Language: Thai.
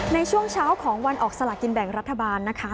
ในช่วงเช้าของวันออกสลากินแบ่งรัฐบาลนะคะ